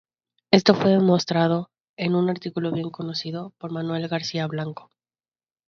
Esto fue demostrado, en un artículo bien conocido, por Manuel García Blanco.